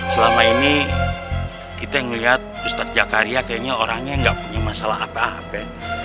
selama ini kita ngelihat ustadz zakaria kayaknya orangnya nggak punya masalah apa apa